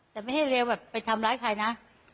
แต่ไม่ให้เร็วแบบไปทำร้ายใครนะ